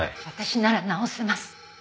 私なら治せます。